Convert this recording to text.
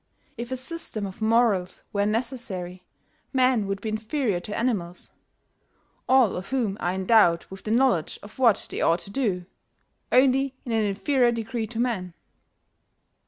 If a system of morals were necessary, men would be inferior to animals, all of whom are endowed with the knowledge of what they ought to do, only in an inferior degree to men."